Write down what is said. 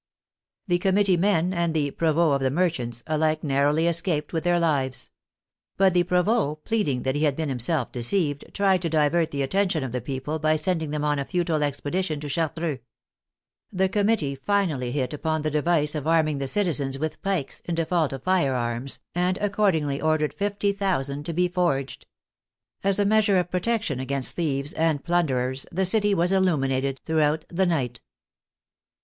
The Committee men and the " provost of the mer chants " alike narrowly escaped with their lives. But the provost, pleading that he had been himself deceived, tried to divert the attention of the people by sending them on a futile expedition to Chartreux. The Com mittee finally hit upon the device of arming the citizens with pikes, in default of firearms, and accordingly ordered 50,000 to be forged. As a measure of protection against thieves and plunderers, the city was illuminated through out the night.